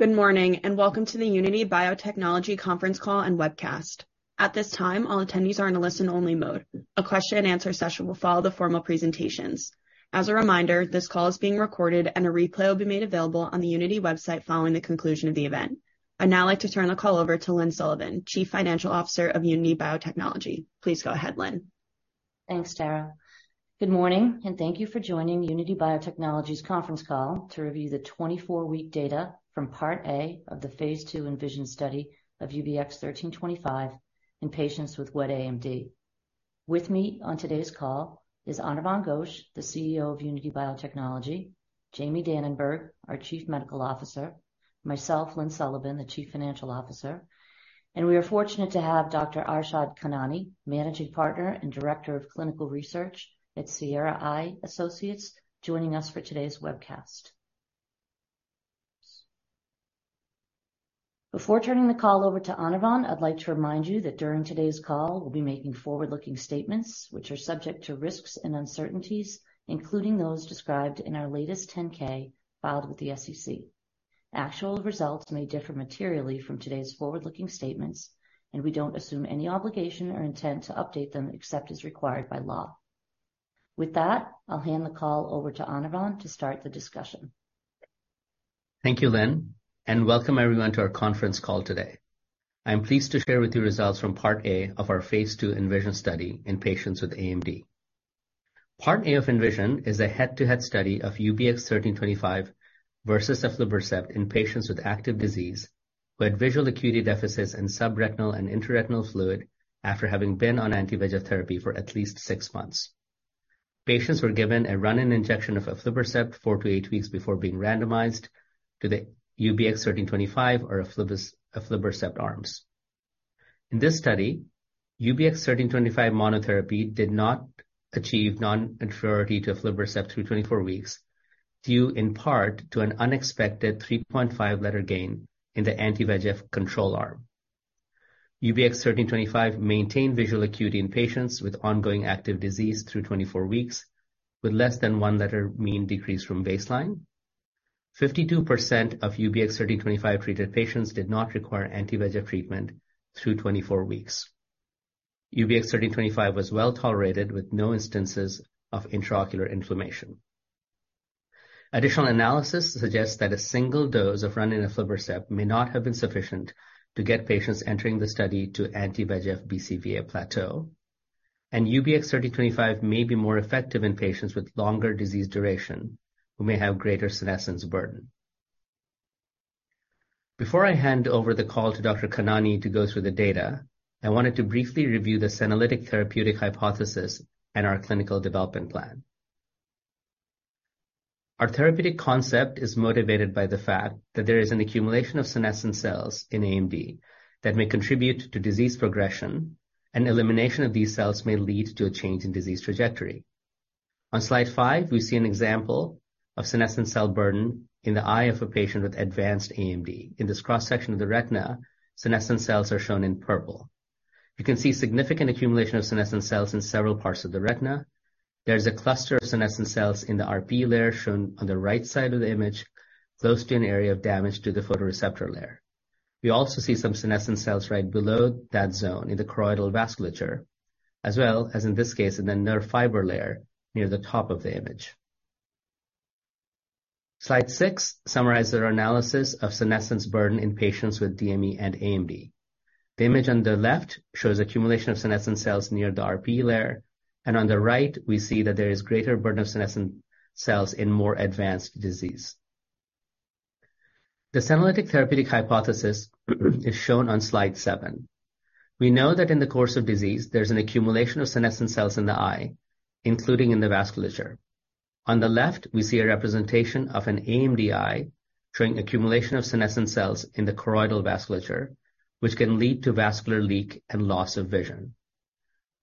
Good morning. Welcome to the Unity Biotechnology conference call and webcast. At this time, all attendees are in a listen-only mode. A question-and-answer session will follow the formal presentations. As a reminder, this call is being recorded and a replay will be made available on the Unity website following the conclusion of the event. I'd now like to turn the call over to Lynne Sullivan, Chief Financial Officer of Unity Biotechnology. Please go ahead, Lynne. Thanks, Sarah. Good morning, thank you for joining Unity Biotechnology's conference call to review the 24-week data from Part A of the phase II ENVISION study of UBX1325 in patients with wet AMD. With me on today's call is Anirvan Ghosh, the CEO of Unity Biotechnology, Jamie Dananberg, our Chief Medical Officer, myself, Lynne Sullivan, the Chief Financial Officer, and we are fortunate to have Dr. Arshad Khanani, Managing Partner and Director of Clinical Research at Sierra Eye Associates, joining us for today's webcast. Before turning the call over to Anirvan, I'd like to remind you that during today's call, we'll be making forward-looking statements which are subject to risks and uncertainties, including those described in our latest Form 10-K filed with the SEC. Actual results may differ materially from today's forward-looking statements, we don't assume any obligation or intent to update them except as required by law. With that, I'll hand the call over to Anirvan to start the discussion. Thank you, Lynne, and welcome everyone to our conference call today. I am pleased to share with you results from Part A of our phase II ENVISION study in patients with AMD. Part A of ENVISION is a head-to-head study of UBX1325 versus aflibercept in patients with active disease who had visual acuity deficits and subretinal and intraretinal fluid after having been on anti-VEGF therapy for at least six months. Patients were given a run-in injection of aflibercept four to eight weeks before being randomized to the UBX1325 or aflibercept arms. In this study, UBX1325 monotherapy did not achieve non-inferiority to aflibercept through 24 weeks, due in part to an unexpected 3.5-letter gain in the anti-VEGF control arm. UBX1325 maintained visual acuity in patients with ongoing active disease through 24 weeks with less than 1-letter mean decrease from baseline. 52% of UBX1325-treated patients did not require anti-VEGF treatment through 24 weeks. UBX1325 was well-tolerated with no instances of intraocular inflammation. Additional analysis suggests that a single dose of run-in aflibercept may not have been sufficient to get patients entering the study to anti-VEGF BCVA plateau. UBX1325 may be more effective in patients with longer disease duration who may have greater senescence burden. Before I hand over the call to Dr. Khanani to go through the data, I wanted to briefly review the senolytic therapeutic hypothesis and our clinical development plan. Our therapeutic concept is motivated by the fact that there is an accumulation of senescent cells in AMD that may contribute to disease progression, and elimination of these cells may lead to a change in disease trajectory. On slide 5, we see an example of senescent cell burden in the eye of a patient with advanced AMD. In this cross-section of the retina, senescent cells are shown in purple. You can see significant accumulation of senescent cells in several parts of the retina. There is a cluster of senescent cells in the RPE layer shown on the right side of the image, close to an area of damage to the photoreceptor layer. We also see some senescent cells right below that zone in the choroidal vasculature, as well as, in this case, in the nerve fiber layer near the top of the image. Slide 6 summarizes our analysis of senescence burden in patients with DME and AMD. The image on the left shows accumulation of senescent cells near the RPE layer. On the right, we see that there is greater burden of senescent cells in more advanced disease. The senolytic therapeutic hypothesis is shown on slide 7. We know that in the course of disease, there's an accumulation of senescent cells in the eye, including in the vasculature. On the left, we see a representation of an AMD eye showing accumulation of senescent cells in the choroidal vasculature, which can lead to vascular leak and loss of vision.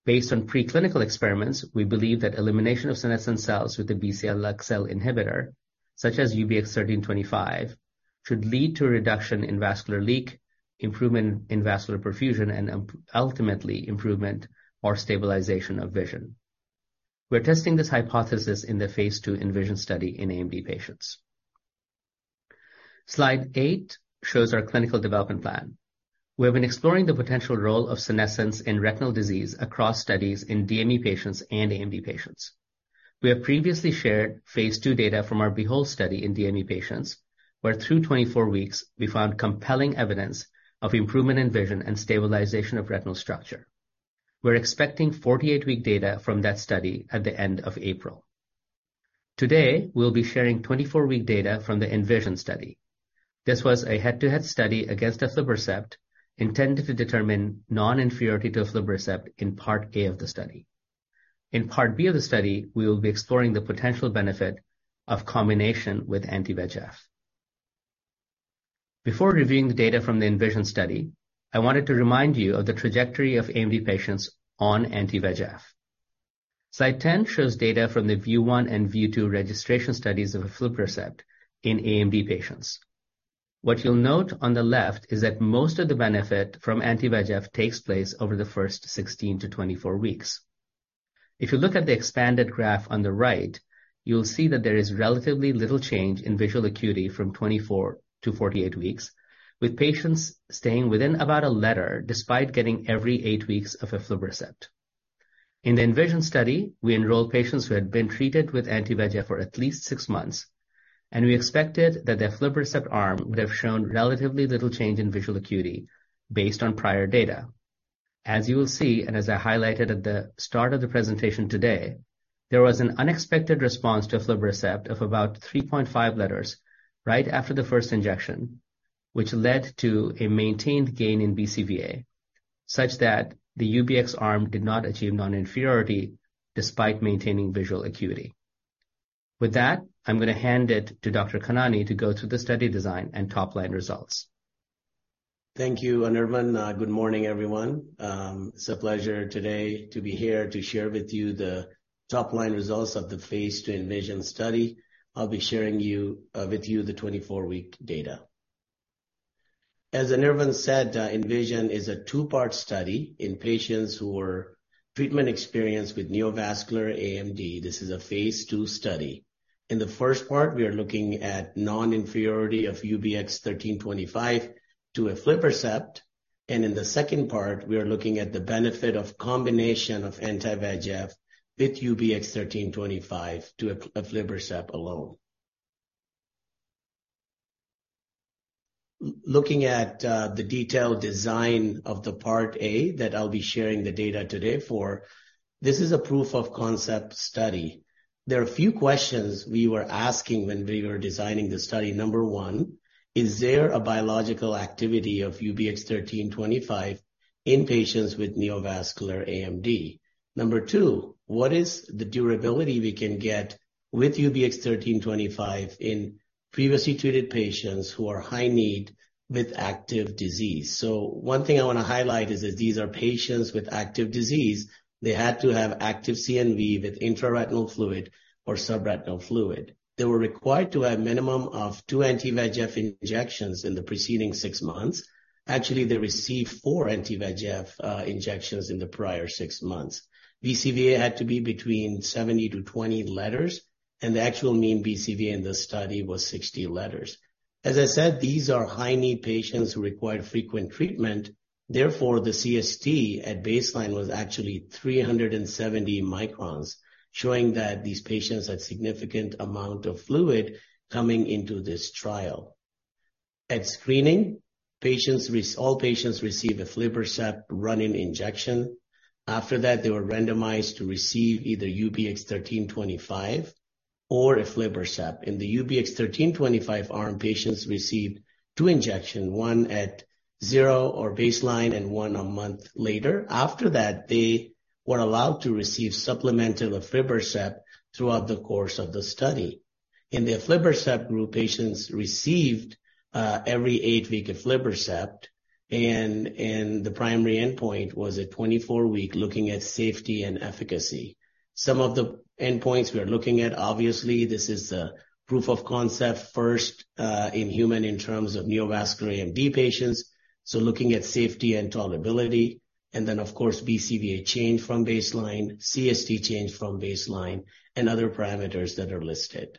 Based on preclinical experiments, we believe that elimination of senescent cells with the BCL-xL inhibitor, such as UBX1325, should lead to a reduction in vascular leak, improvement in vascular perfusion, and ultimately improvement or stabilization of vision. We're testing this hypothesis in the phase II ENVISION study in AMD patients. Slide 8 shows our clinical development plan. We have been exploring the potential role of senescence in retinal disease across studies in DME patients and AMD patients. We have previously shared phase II data from our BEHOLD study in DME patients, where through 24 weeks, we found compelling evidence of improvement in vision and stabilization of retinal structure. We're expecting 48-week data from that study at the end of April. Today, we'll be sharing 24 week data from the ENVISION study. This was a head-to-head study against aflibercept, intended to determine non-inferiority to aflibercept in part A of the study. In part B of the study, we will be exploring the potential benefit of combination with anti-VEGF. Before reviewing the data from the ENVISION study, I wanted to remind you of the trajectory of AMD patients on anti-VEGF. Slide 10 shows data from the VIEW 1 and VIEW 2 registration studies of aflibercept in AMD patients. What you'll note on the left is that most of the benefit from anti-VEGF takes place over the first 16-24 weeks. If you look at the expanded graph on the right, you'll see that there is relatively little change in visual acuity from 24-48 weeks, with patients staying within about a letter despite getting every eight weeks of aflibercept. In the ENVISION study, we enrolled patients who had been treated with anti-VEGF for at least six months. We expected that the aflibercept arm would have shown relatively little change in visual acuity based on prior data. As you will see, as I highlighted at the start of the presentation today, there was an unexpected response to aflibercept of about 3.5-letters right after the first injection, which led to a maintained gain in BCVA such that the UBX arm did not achieve non-inferiority despite maintaining visual acuity. With that, I'm going to hand it to Dr. Khanani to go through the study design and top-line results. Thank you, Anirvan. Good morning, everyone. It's a pleasure today to be here to share with you the top-line results of the phase II ENVISION study. I'll be sharing with you the 24-week data. As Anirvan said, ENVISION is a two-part study in patients who were treatment-experienced with neovascular AMD. This is a phase II study. In the first part, we are looking at non-inferiority of UBX1325 to aflibercept, and in the second part, we are looking at the benefit of combination of anti-VEGF with UBX1325 to aflibercept alone. Looking at the detailed design of the Part A that I'll be sharing the data today for, this is a proof of concept study. There are a few questions we were asking when we were designing the study. Number one, is there a biological activity of UBX1325 in patients with neovascular AMD? Number two, what is the durability we can get with UBX1325 in previously treated patients who are high need with active disease? One thing I want to highlight is that these are patients with active disease. They had to have active CNV with intraretinal fluid or subretinal fluid. They were required to have minimum of two anti-VEGF injections in the preceding six months. Actually, they received four anti-VEGF injections in the prior 6 months. BCVA had to be between 70 to 20 letters, and the actual mean BCVA in this study was 60 letters. As I said, these are high-need patients who require frequent treatment. The CST at baseline was actually 370 microns, showing that these patients had significant amount of fluid coming into this trial. At screening, all patients receive aflibercept run-in injection. They were randomized to receive either UBX1325 or aflibercept. In the UBX1325 arm, patients received two injections, one at zero or baseline and one a month later. They were allowed to receive supplemental aflibercept throughout the course of the study. In the aflibercept group, patients received every eight week aflibercept, and the primary endpoint was at 24 weeks looking at safety and efficacy. Some of the endpoints we are looking at, obviously, this is a proof of concept first in human in terms of neovascular AMD patients, looking at safety and tolerability, and then of course, BCVA change from baseline, CST change from baseline, and other parameters that are listed.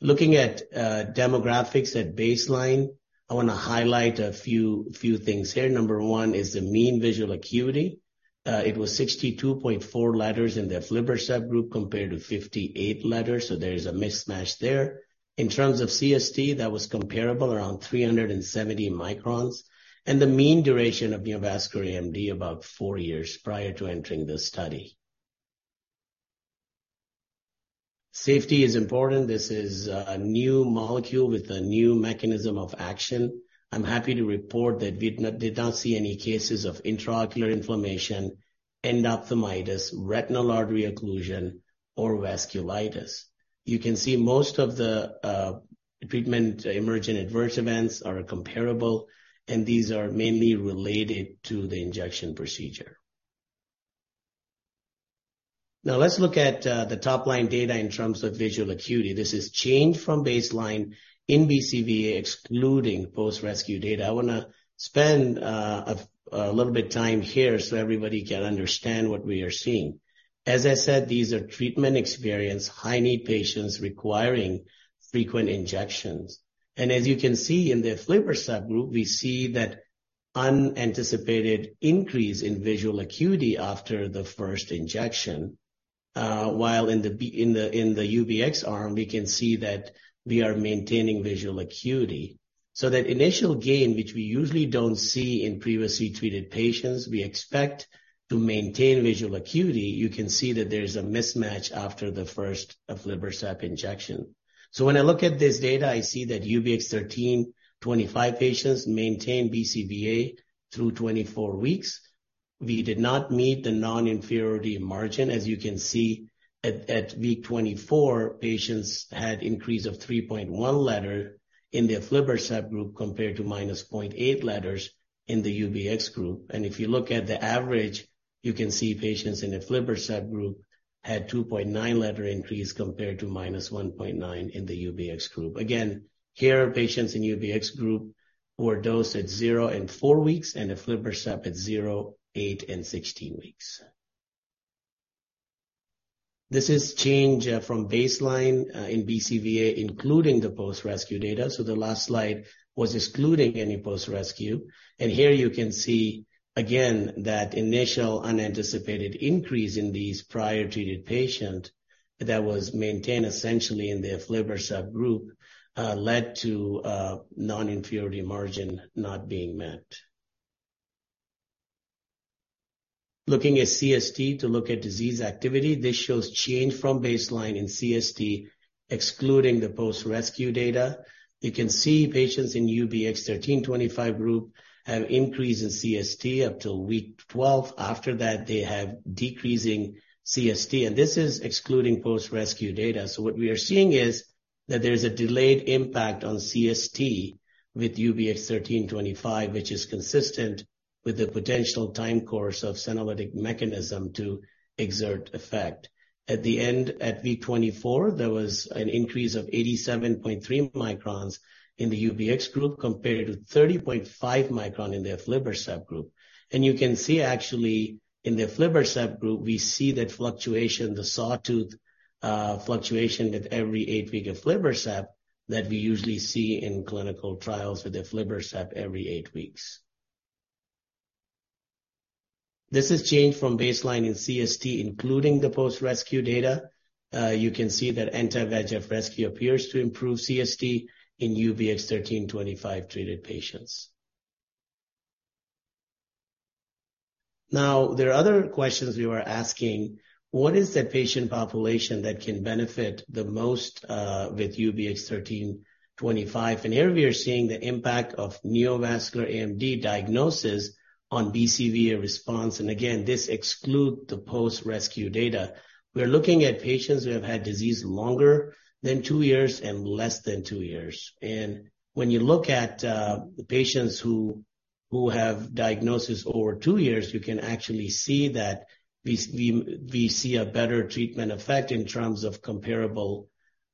Looking at demographics at baseline, I want to highlight a few things here. Number 1 is the mean visual acuity. It was 62.4 letters in the aflibercept group compared to 58 letters, there is a mismatch there. In terms of CST, that was comparable around 370 microns, the mean duration of neovascular AMD about four years prior to entering the study. Safety is important. This is a new molecule with a new mechanism of action. I'm happy to report that we did not see any cases of intraocular inflammation, endophthalmitis, retinal artery occlusion or vasculitis. You can see most of the treatment-emergent adverse events are comparable, these are mainly related to the injection procedure. Let's look at the top-line data in terms of visual acuity. This is change from baseline in BCVA excluding post-rescue data. I want to spend a little bit time here so everybody can understand what we are seeing. As I said, these are treatment-experienced, high-need patients requiring frequent injections. As you can see in the aflibercept group, we see that unanticipated increase in visual acuity after the first injection, while in the UBX arm, we can see that we are maintaining visual acuity. That initial gain, which we usually don't see in previously treated patients, we expect to maintain visual acuity. You can see that there's a mismatch after the first aflibercept injection. When I look at this data, I see that UBX1325 patients maintain BCVA through 24 weeks. We did not meet the non-inferiority margin. As you can see at week 24, patients had increase of 3.1-letter in the aflibercept group compared to -0.8 letters in the UBX group. If you look at the average, you can see patients in aflibercept group had 2.9-letter increase compared to -1.9 in the UBX group. Again, here patients in UBX group were dosed at zero and four weeks, and aflibercept at zero, eight, and 16 weeks. This is change from baseline in BCVA, including the post-rescue data. So the last slide was excluding any post-rescue. Here you can see again that initial unanticipated increase in these prior treated patient that was maintained essentially in the aflibercept group, led to a non-inferiority margin not being met. Looking at CST to look at disease activity, this shows change from baseline in CST excluding the post-rescue data. You can see patients in UBX1325 group have increase in CST up till week 12. After that, they have decreasing CST, and this is excluding post-rescue data. What we are seeing is that there is a delayed impact on CST with UBX1325, which is consistent with the potential time course of senolytic mechanism to exert effect. At the end, at week 24, there was an increase of 87.3 microns in the UBX group compared to 30.5 micron in the aflibercept group. You can see actually in the aflibercept group, we see that fluctuation, the sawtooth, fluctuation with every eight weeks of aflibercept that we usually see in clinical trials with the aflibercept every eight weeks. This has changed from baseline in CST, including the post-rescue data. You can see that anti-VEGF rescue appears to improve CST in UBX1325-treated patients. Now, there are other questions we were asking. What is the patient population that can benefit the most with UBX1325? Here we are seeing the impact of neovascular AMD diagnosis on BCVA response. Again, this excludes the post-rescue data. We're looking at patients who have had disease longer than two years and less than two years. When you look at the patients who have diagnosis over two years, you can actually see that we see a better treatment effect in terms of comparable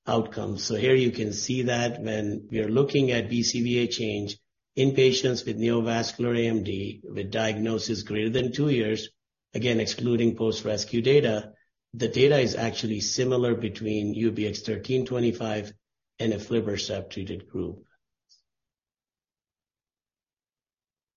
outcomes. Here you can see that when we are looking at BCVA change in patients with neovascular AMD with diagnosis greater than two years, again excluding post-rescue data, the data is actually similar between UBX1325 and aflibercept-treated group.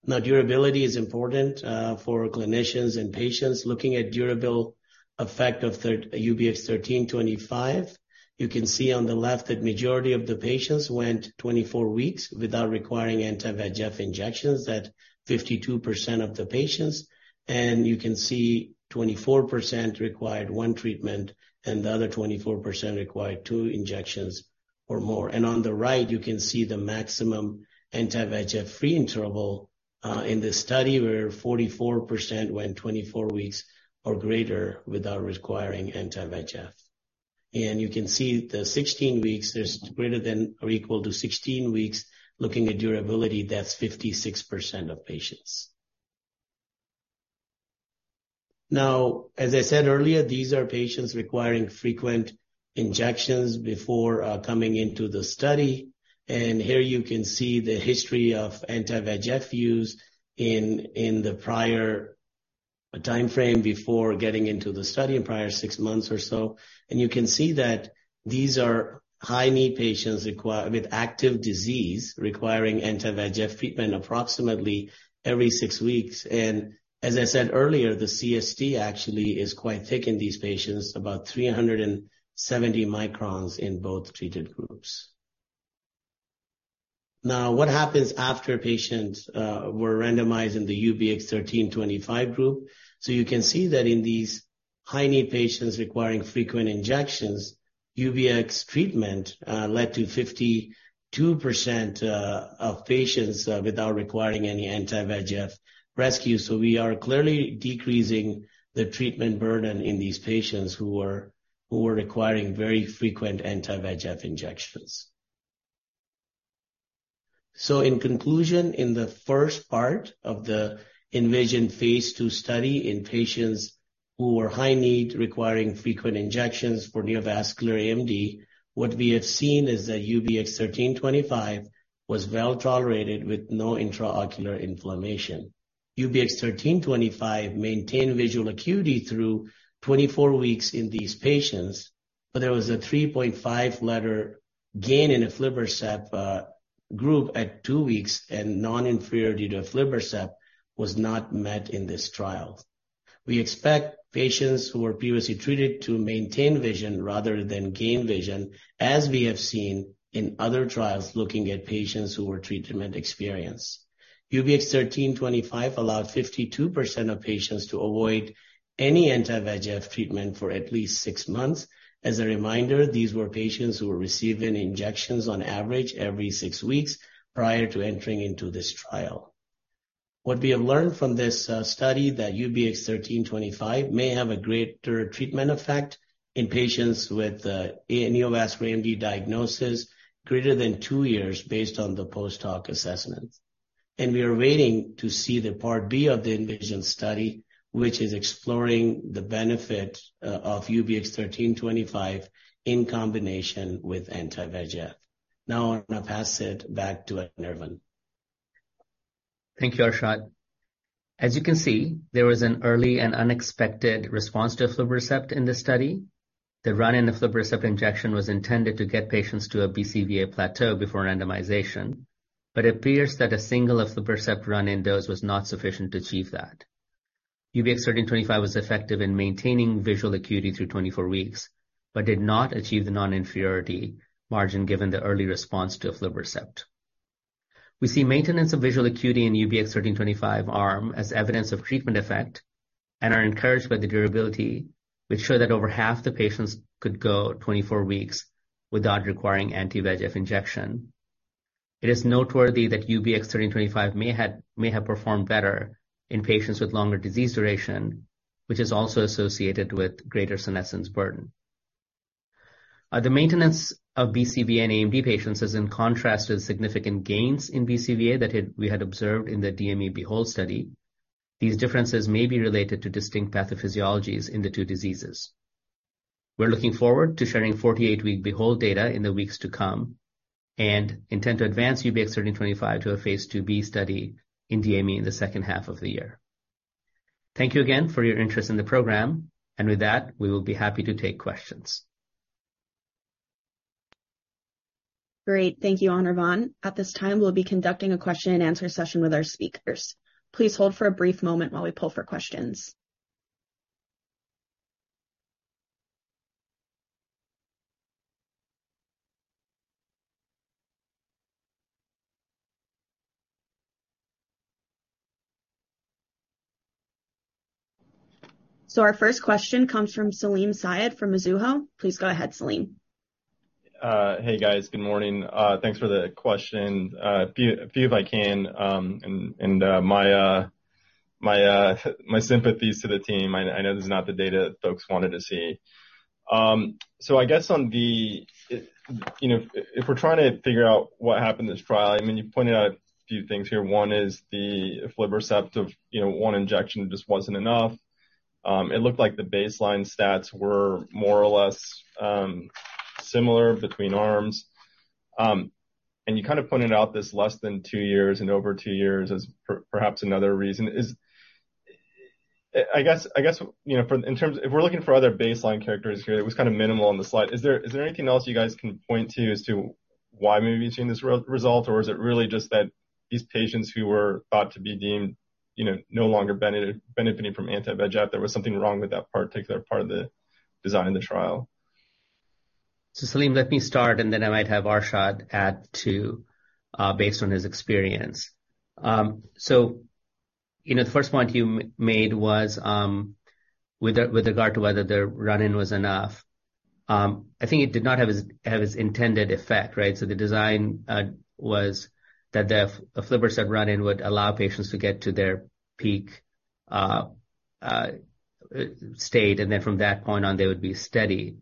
Now, durability is important for clinicians and patients. Looking at durable effect of UBX1325, you can see on the left that majority of the patients went 24 weeks without requiring anti-VEGF injections, that 52% of the patients. You can see 24% required one treatment, and the other 24% required two injections or more. On the right, you can see the maximum anti-VEGF-free interval in the study where 44% went 24 weeks or greater without requiring anti-VEGF. You can see the 16 weeks, there's greater than or equal to 16 weeks. Looking at durability, that's 56% of patients. As I said earlier, these are patients requiring frequent injections before coming into the study. Here you can see the history of anti-VEGF use in the prior timeframe before getting into the study in prior six months or so. You can see that these are high-need patients with active disease requiring anti-VEGF treatment approximately every six weeks. As I said earlier, the CST actually is quite thick in these patients, about 370 microns in both treated groups. What happens after patients were randomized in the UBX1325 group? You can see that in these high-need patients requiring frequent injections, UBX treatment led to 52% of patients without requiring any anti-VEGF rescue. We are clearly decreasing the treatment burden in these patients who were requiring very frequent anti-VEGF injections. In conclusion, in the first part of the ENVISION phase II study in patients who were high need requiring frequent injections for neovascular AMD, what we have seen is that UBX1325 was well-tolerated with no intraocular inflammation. UBX1325 maintained visual acuity through 24 weeks in these patients, but there was a 3.5-letter gain in aflibercept group at two weeks, and non-inferiority to aflibercept was not met in this trial. We expect patients who were previously treated to maintain vision rather than gain vision, as we have seen in other trials looking at patients who were treatment experienced. UBX1325 allowed 52% of patients to avoid any anti-VEGF treatment for at least 6 months. As a reminder, these were patients who were receiving injections on average every 6 weeks prior to entering into this trial. What we have learned from this study that UBX1325 may have a greater treatment effect in patients with a neovascular AMD diagnosis greater than two years based on the post-hoc assessment. We are waiting to see the part B of the ENVISION study, which is exploring the benefit of UBX1325 in combination with anti-VEGF. Now I'm going to pass it back to Anirvan Ghosh. Thank you, Arshad. You can see, there was an early and unexpected response to aflibercept in this study. The run in aflibercept injection was intended to get patients to a BCVA plateau before randomization, it appears that a single aflibercept run in dose was not sufficient to achieve that. UBX1325 was effective in maintaining visual acuity through 24 weeks did not achieve the non-inferiority margin given the early response to aflibercept. We see maintenance of visual acuity in UBX1325 arm as evidence of treatment effect are encouraged by the durability which show that over half the patients could go 24 weeks without requiring anti-VEGF injection. It is noteworthy that UBX1325 may have performed better in patients with longer disease duration, which is also associated with greater senescence burden. The maintenance of BCVA in AMD patients is in contrast with significant gains in BCVA we had observed in the DME BEHOLD study. These differences may be related to distinct pathophysiologies in the two diseases. We're looking forward to sharing 48-week BEHOLD data in the weeks to come and intend to advance UBX1325 to a phase IIb study in DME in the second half of the year. Thank you again for your interest in the program. With that, we will be happy to take questions. Great. Thank you, Anirvan. At this time, we'll be conducting a question-and-answer session with our speakers. Please hold for a brief moment while we pull for questions. Our first question comes from Salim Syed from Mizuho. Please go ahead, Salim. Hey, guys. Good morning. Thanks for the question. A few if I can, and my sympathies to the team. I know this is not the data folks wanted to see. I guess on the, you know, if we're trying to figure out what happened in this trial, I mean, you pointed out a few things here. One is the aflibercept of, you know, one injection just wasn't enough. It looked like the baseline stats were more or less similar between arms. And you kind of pointed out this less than two years and over two years as perhaps another reason is, I guess, you know, in terms of if we're looking for other baseline characteristics here, it was kind of minimal on the slide. Is there anything else you guys can point to as to why maybe you're seeing this result, or is it really just that these patients who were thought to be deemed, you know, no longer benefiting from anti-VEGF, there was something wrong with that particular part of the design of the trial? Salim, let me start, and then I might have Arshad add too, based on his experience. You know, the first point you made was with regard to whether the run-in was enough. I think it did not have as intended effect, right? The design was that the aflibercept run-in would allow patients to get to their peak state, and then from that point on, they would be steady.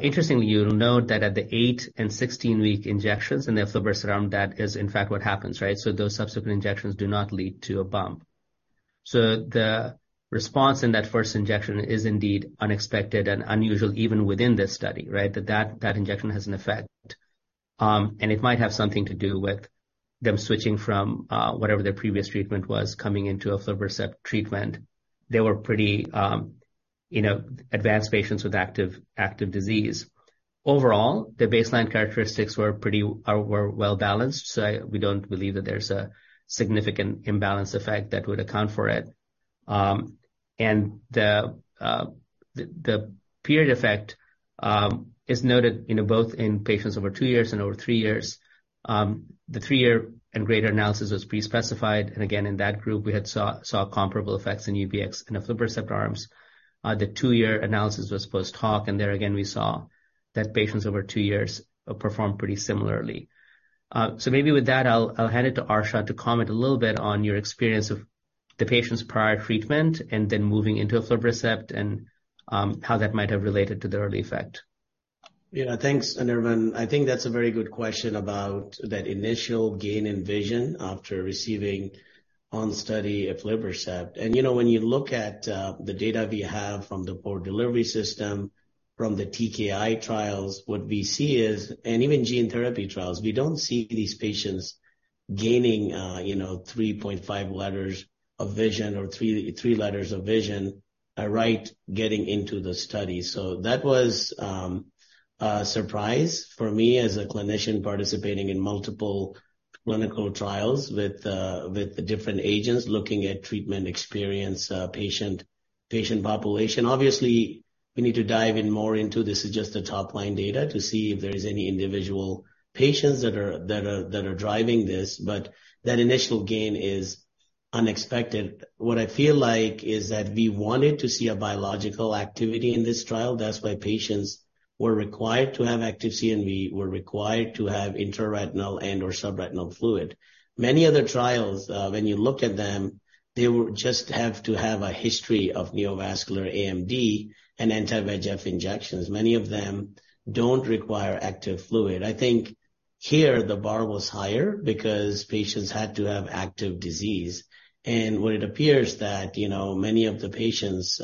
Interestingly, you'll note that at the eight and 16-week injections in the aflibercept arm, that is in fact what happens, right? Those subsequent injections do not lead to a bump. The response in that first injection is indeed unexpected and unusual even within this study, right? That injection has an effect. It might have something to do with them switching from whatever their previous treatment was coming into aflibercept treatment. They were pretty, you know, advanced patients with active disease. Overall, the baseline characteristics were pretty or were well-balanced. We don't believe that there's a significant imbalance effect that would account for it. The, the period effect is noted, you know, both in patients over two years and over three years. The three-year and greater analysis was pre-specified, and again, in that group, we had saw comparable effects in UBX and aflibercept arms. The two-year analysis was post hoc, and there again, we saw that patients over two years performed pretty similarly. Maybe with that, I'll hand it to Arshad to comment a little bit on your experience of the patient's prior treatment and then moving into aflibercept and how that might have related to the early effect. Yeah. Thanks, Anirvan. I think that's a very good question about that initial gain in vision after receiving on study aflibercept. You know, when you look at the data we have from the Port Delivery System, from the TKI trials, and even gene therapy trials, we don't see these patients gaining, you know, 3.5-letters of vision or three letters of vision right getting into the study. That was a surprise for me as a clinician participating in multiple clinical trials with the different agents looking at treatment experience, patient population. Obviously, we need to dive in more into, this is just the top-line data, to see if there is any individual patients that are driving this, but that initial gain is unexpected. What I feel like is that we wanted to see a biological activity in this trial. That's why patients were required to have active CNV, were required to have intraretinal and/or subretinal fluid. Many other trials, when you look at them, they just have to have a history of neovascular AMD and anti-VEGF injections. Many of them don't require active fluid. I think here the bar was higher because patients had to have active disease. What it appears that, you know, many of the patients,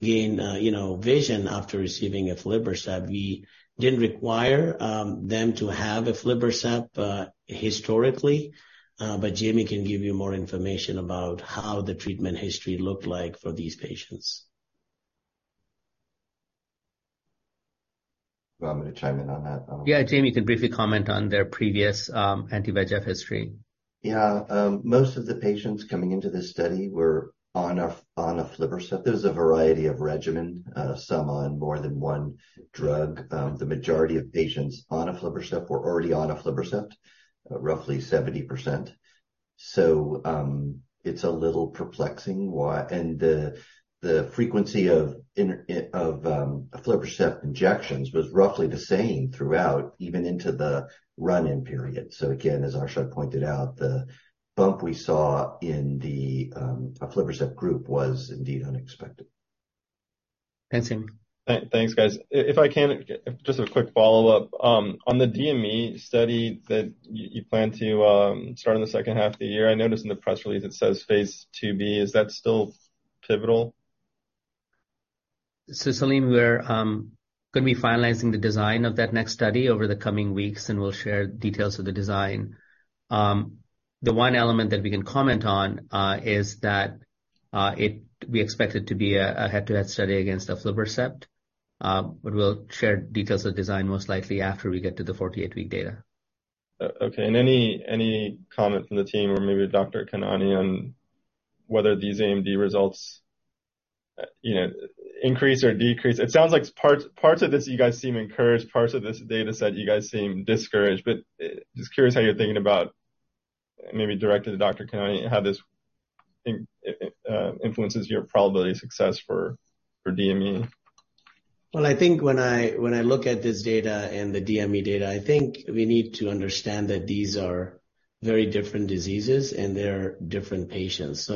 gain, you know, vision after receiving aflibercept. We didn't require them to have aflibercept historically. Jamie can give you more information about how the treatment history looked like for these patients. You want me to chime in on that? Yeah, Jamie, you can briefly comment on their previous anti-VEGF history. Yeah. Most of the patients coming into this study were on aflibercept. There's a variety of regimen, some on more than one drug. The majority of patients on aflibercept were already on aflibercept, roughly 70%. It's a little perplexing the frequency of aflibercept injections was roughly the same throughout, even into the run-in period. Again, as Arshad pointed out, the bump we saw in the aflibercept group was indeed unexpected. Thanks, Jamie. Thanks, guys. If I can, just a quick follow-up. On the DME study that you plan to start in the second half of the year, I noticed in the press release it says phase IIb. Is that still pivotal? Salim, we're gonna be finalizing the design of that next study over the coming weeks. We'll share details of the design. The one element that we can comment on is that we expect it to be a head-to-head study against aflibercept. We'll share details of design most likely after we get to the 48-week data. Okay. Any comment from the team or maybe Dr. Khanani on whether these AMD results, you know, increase or decrease? It sounds like parts of this, you guys seem encouraged, parts of this data set, you guys seem discouraged. Just curious how you're thinking about, maybe directed to Dr. Khanani, how this influences your probability of success for DME. Well, I think when I look at this data and the DME data, I think we need to understand that these are very different diseases and they're different patients.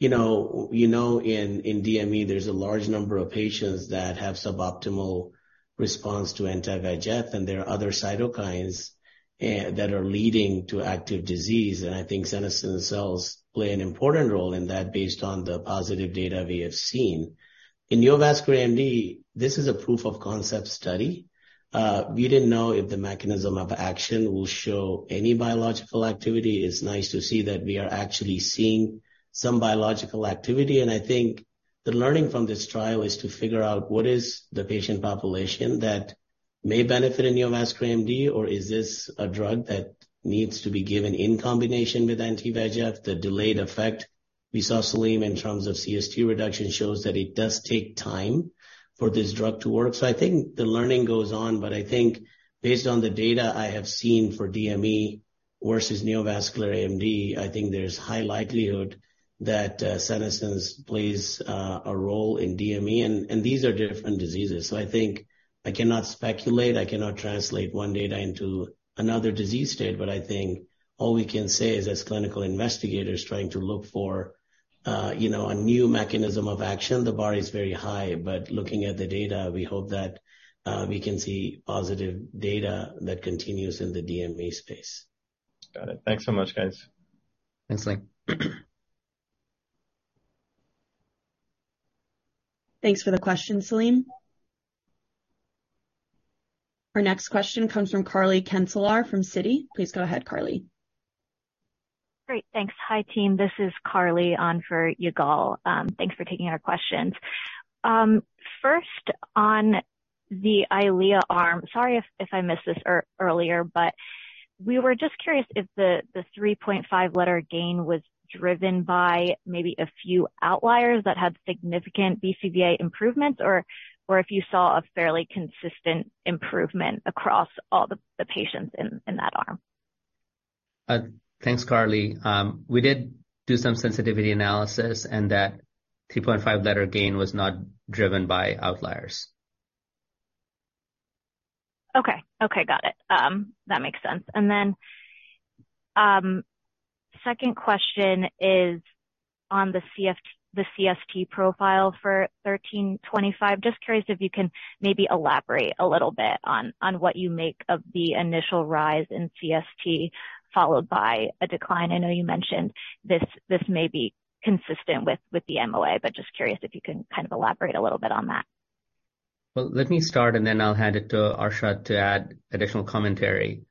You know, in DME, there's a large number of patients that have suboptimal response to anti-VEGF, and there are other cytokines that are leading to active disease. I think senescent cells play an important role in that based on the positive data we have seen. In neovascular AMD, this is a proof of concept study. We didn't know if the mechanism of action will show any biological activity. It's nice to see that we are actually seeing some biological activity. I think the learning from this trial is to figure out what is the patient population that may benefit in neovascular AMD, or is this a drug that needs to be given in combination with anti-VEGF. The delayed effect we saw, Salim, in terms of CST reduction shows that it does take time for this drug to work. I think the learning goes on, but I think based on the data I have seen for DME versus neovascular AMD, I think there's high likelihood that senesce plays a role in DME. These are different diseases. I think I cannot speculate, I cannot translate one data into another disease state, but I think all we can say is as clinical investigators trying to look for, you know, a new mechanism of action, the bar is very high. Looking at the data, we hope that we can see positive data that continues in the DME space. Got it. Thanks so much, guys. Thanks, Salim. Thanks for the question, Salim. Our next question comes from Carly Kenselaar from Citi. Please go ahead, Carly. Great. Thanks. Hi, team. This is Carly on for Yigal. Thanks for taking our questions. First on the Eylea arm. Sorry if I missed this earlier, but we were just curious if the 3.5-letter gain was driven by maybe a few outliers that had significant BCVA improvements or if you saw a fairly consistent improvement across all the patients in that arm. Thanks, Carly. We did do some sensitivity analysis and that 3.5-letter gain was not driven by outliers. Okay. Okay, got it. That makes sense. Second question is on the CST profile for UBX1325. Just curious if you can maybe elaborate a little bit on what you make of the initial rise in CST followed by a decline. I know you mentioned this may be consistent with the MOA, but just curious if you can kind of elaborate a little bit on that. Well, let me start and then I'll hand it to Arshad to add additional commentary.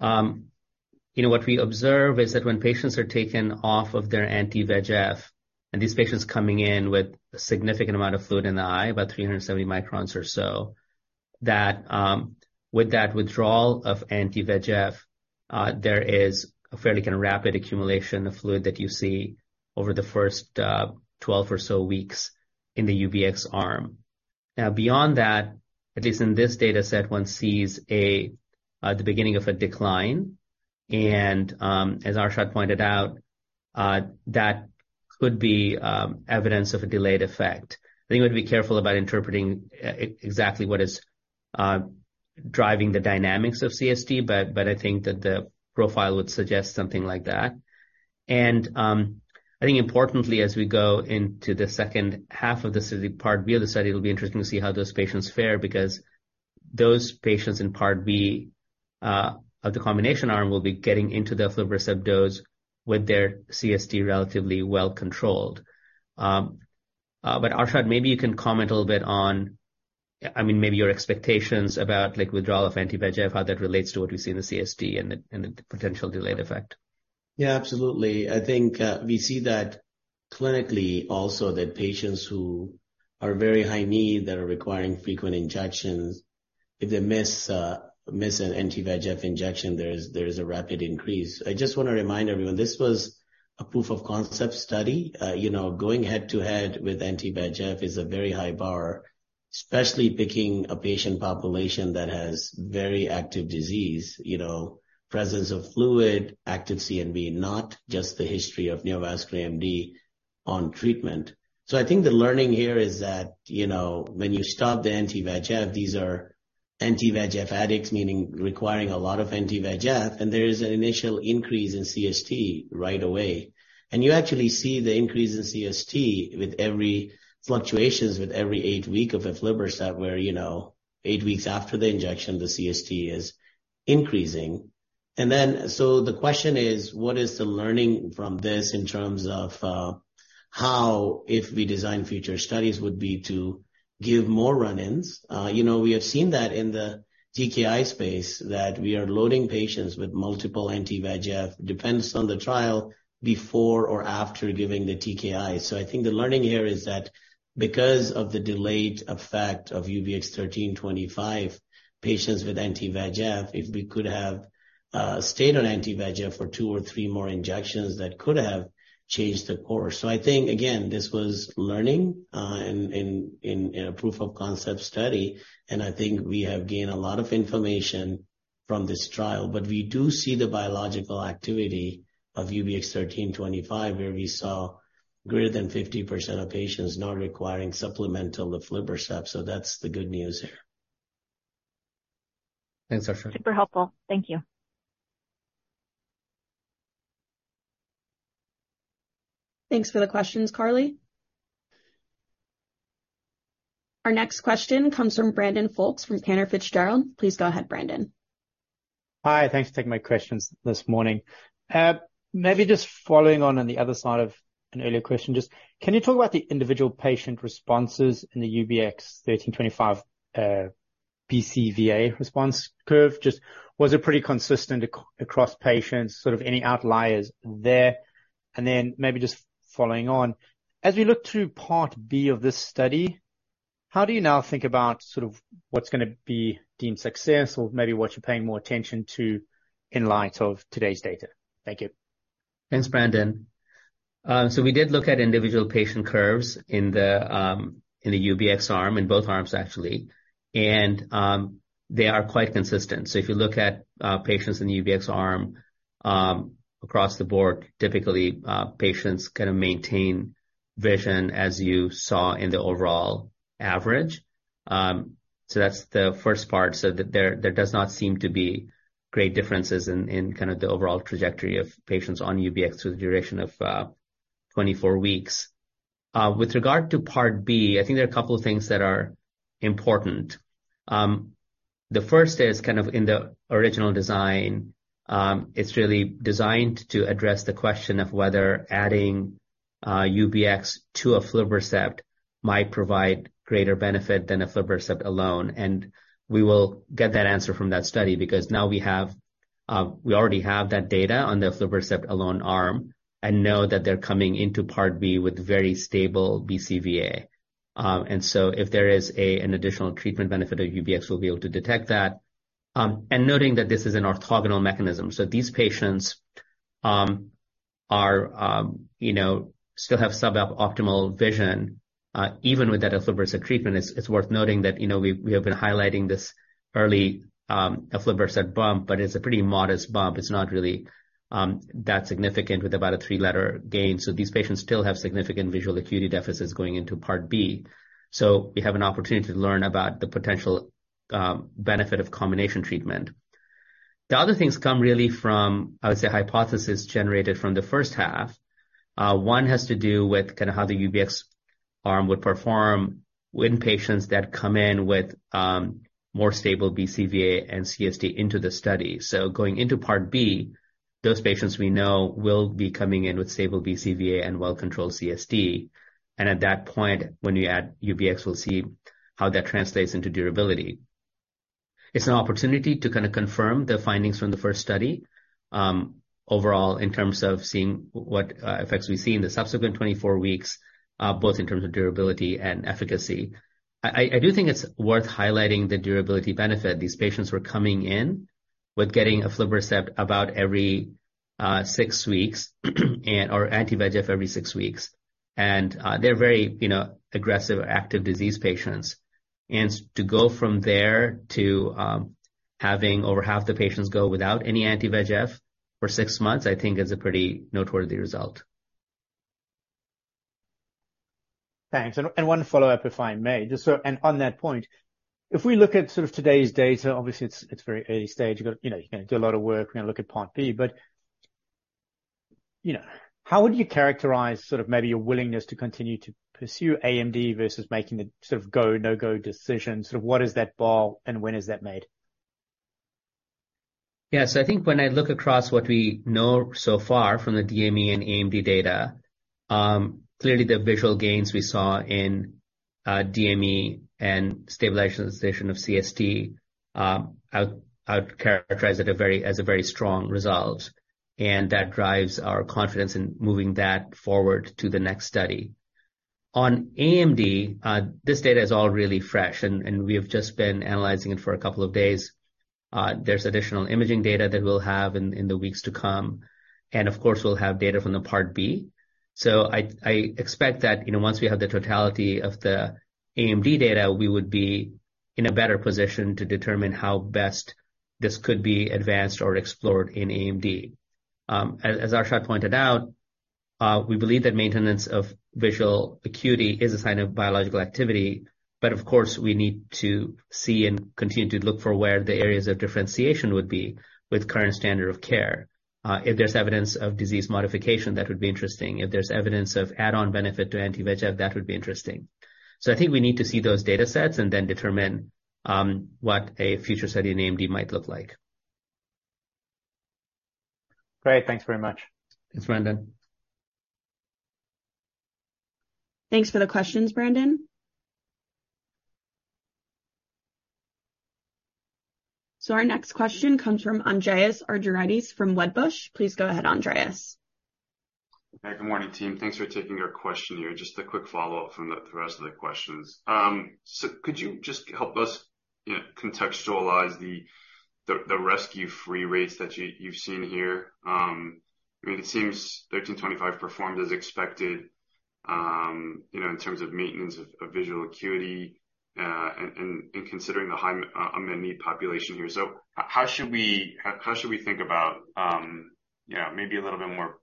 you know, what we observe is that when patients are taken off of their anti-VEGF, and these patients coming in with a significant amount of fluid in the eye, about 370 microns or so, that, with that withdrawal of anti-VEGF, there is a fairly kind of rapid accumulation of fluid that you see over the first, 12 or so weeks in the UBX arm. Beyond that, at least in this dataset, one sees a, the beginning of a decline. As Arshad pointed out, that could be evidence of a delayed effect. I think we have to be careful about interpreting exactly what is driving the dynamics of CST, but I think that the profile would suggest something like that. I think importantly as we go into the second half of the study, part B of the study, it'll be interesting to see how those patients fare because those patients in part B of the combination arm will be getting into the aflibercept dose with their CST relatively well controlled. Arshad, maybe you can comment a little bit. I mean, maybe your expectations about like withdrawal of anti-VEGF, how that relates to what we see in the CST and the potential delayed effect. Absolutely. I think, we see that clinically also that patients who are very high need, that are requiring frequent injections, if they miss an anti-VEGF injection, there is a rapid increase. I just wanna remind everyone, this was a proof of concept study. You know, going head-to-head with anti-VEGF is a very high bar, especially picking a patient population that has very active disease. You know, presence of fluid, active CNV, not just the history of neovascular AMD on treatment. I think the learning here is that, you know, when you stop the anti-VEGF, these are anti-VEGF addicts, meaning requiring a lot of anti-VEGF, and there is an initial increase in CST right away. You actually see the increase in CST with every fluctuations with every 8 week of aflibercept where, you know, 8 weeks after the injection, the CST is increasing. The question is, what is the learning from this in terms of how if we design future studies would be to give more run-ins? You know, we have seen that in the TKI space, that we are loading patients with multiple anti-VEGF depends on the trial before or after giving the TKI. I think the learning here is that because of the delayed effect of UBX1325, patients with anti-VEGF, if we could have stayed on anti-VEGF for 2 or 3 more injections, that could have changed the course. I think again, this was learning in a proof of concept study, and I think we have gained a lot of information from this trial. We do see the biological activity of UBX1325, where we saw greater than 50% of patients not requiring supplemental aflibercept. That's the good news here. Thanks, Arshad. Super helpful. Thank you. Thanks for the questions, Carly. Our next question comes from Brandon Folkes from Cantor Fitzgerald. Please go ahead, Brandon. Hi. Thanks for taking my questions this morning. Maybe just following on the other side of an earlier question, just can you talk about the individual patient responses in the UBX1325 BCVA response curve? Just was it pretty consistent across patients, sort of any outliers there? Maybe just following on, as we look to part B of this study, how do you now think about sort of what's gonna be deemed success or maybe what you're paying more attention to in light of today's data? Thank you. Thanks, Brandon. We did look at individual patient curves in the UBX arm, in both arms, actually. They are quite consistent. If you look at patients in the UBX arm, across the board, typically, patients kind of maintain vision as you saw in the overall average. That's the first part, so that there does not seem to be great differences in kind of the overall trajectory of patients on UBX through the duration of 24 weeks. With regard to part B, I think there are a couple of things that are important. The first is kind of in the original design, it's really designed to address the question of whether adding UBX to aflibercept might provide greater benefit than aflibercept alone. We will get that answer from that study because now we have, we already have that data on the aflibercept alone arm and know that they're coming into part B with very stable BCVA. If there is an additional treatment benefit of UBX, we'll be able to detect that. Noting that this is an orthogonal mechanism, these patients, you know, still have sub-optimal vision even with that aflibercept treatment. It's worth noting that, you know, we have been highlighting this early aflibercept bump, but it's a pretty modest bump. It's not really that significant with about a 3-letter gain. These patients still have significant visual acuity deficits going into part B. We have an opportunity to learn about the potential benefit of combination treatment. The other things come really from, I would say, hypothesis generated from the first half. One has to do with kind of how the UBX arm would perform when patients that come in with more stable BCVA and CST into the study. Going into part B, those patients we know will be coming in with stable BCVA and well-controlled CST. At that point, when you add UBX, we'll see how that translates into durability. It's an opportunity to kinda confirm the findings from the first study overall in terms of seeing what effects we see in the subsequent 24 weeks both in terms of durability and efficacy. I do think it's worth highlighting the durability benefit. These patients were coming in with getting aflibercept about every six weeks or anti-VEGF every six weeks. They're very, you know, aggressive, active disease patients. To go from there to having over half the patients go without any anti-VEGF for six months, I think is a pretty noteworthy result. Thanks. One follow-up, if I may. Just on that point, if we look at sort of today's data, obviously it's very early stage. You know, you're gonna do a lot of work. We're gonna look at part B. You know, how would you characterize sort of maybe your willingness to continue to pursue AMD versus making the sort of go, no-go decision? Sort of what is that bar and when is that made? Yes, I think when I look across what we know so far from the DME and AMD data, clearly the visual gains we saw in DME and stabilization of CST, I would characterize it as a very strong result, and that drives our confidence in moving that forward to the next study. On AMD, this data is all really fresh and we have just been analyzing it for a couple of days. There's additional imaging data that we'll have in the weeks to come. Of course we'll have data from the part B. I expect that, you know, once we have the totality of the AMD data, we would be in a better position to determine how best this could be advanced or explored in AMD. As Arshad pointed out, we believe that maintenance of visual acuity is a sign of biological activity. Of course, we need to see and continue to look for where the areas of differentiation would be with current standard of care. If there's evidence of disease modification, that would be interesting. If there's evidence of add-on benefit to anti-VEGF, that would be interesting. I think we need to see those data sets and then determine what a future study in AMD might look like. Great. Thanks very much. Thanks, Brandon. Thanks for the questions, Brandon. Our next question comes from Andreas Argyrides from Wedbush. Please go ahead, Andreas. Hi, good morning, team. Thanks for taking our question here. Just a quick follow-up from the rest of the questions. Could you just help us, you know, contextualize the rescue-free rates that you've seen here? I mean, it seems UBX1325 performed as expected, you know, in terms of maintenance of visual acuity, and considering the high unmet need population here. How should we think about, you know, maybe a little bit more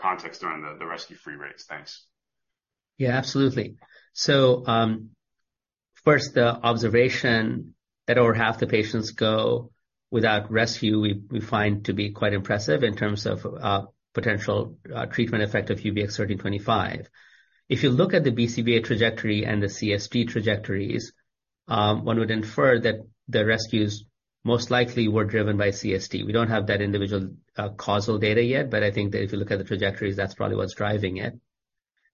context around the rescue-free rates? Thanks. Yeah, absolutely. First, the observation that over half the patients go without rescue, we find to be quite impressive in terms of potential treatment effect of UBX1325. If you look at the BCVA trajectory and the CST trajectories, one would infer that the rescues most likely were driven by CST. We don't have that individual causal data yet, but I think that if you look at the trajectories, that's probably what's driving it.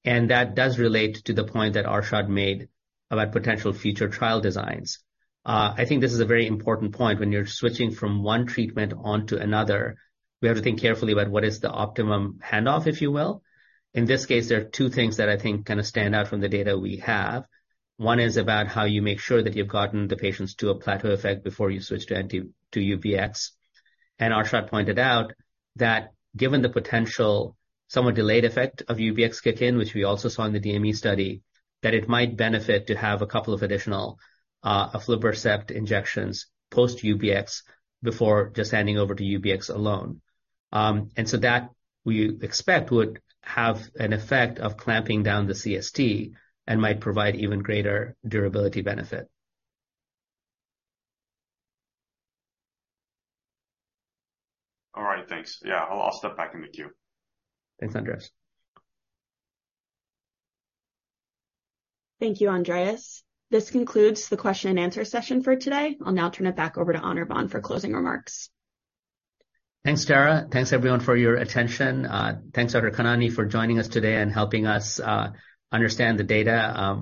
That does relate to the point that Arshad made about potential future trial designs. I think this is a very important point when you're switching from one treatment onto another. We have to think carefully about what is the optimum handoff, if you will. In this case, there are two things that I think kind of stand out from the data we have. One is about how you make sure that you've gotten the patients to a plateau effect before you switch to UBX. Arshad pointed out that given the potential somewhat delayed effect of UBX kick in, which we also saw in the DME study, that it might benefit to have a couple of additional aflibercept injections post-UBX before just handing over to UBX alone. So that we expect would have an effect of clamping down the CST and might provide even greater durability benefit. All right. Thanks. Yeah. I'll step back in the queue. Thanks, Andreas. Thank you, Andreas. This concludes the question and answer session for today. I'll now turn it back over to Anirvan for closing remarks. Thanks, Tara. Thanks everyone for your attention. Thanks Dr. Khanani for joining us today and helping us understand the data.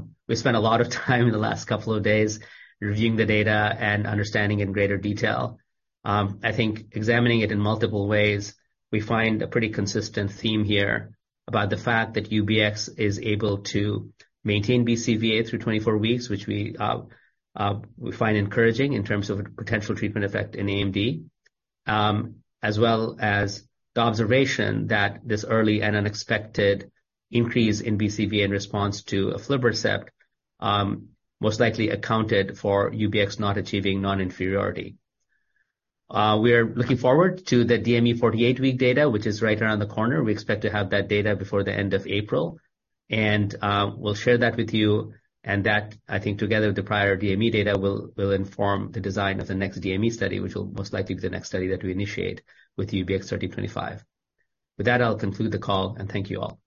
I think examining it in multiple ways, we find a pretty consistent theme here about the fact that UBX is able to maintain BCVA through 24 weeks, which we find encouraging in terms of potential treatment effect in AMD, as well as the observation that this early and unexpected increase in BCVA in response to aflibercept most likely accounted for UBX not achieving non-inferiority. We are looking forward to the DME 48-week data, which is right around the corner. We expect to have that data before the end of April. We'll share that with you and that I think together with the prior DME data will inform the design of the next DME study, which will most likely be the next study that we initiate with UBX1325. With that, I'll conclude the call and thank you all. Thank you.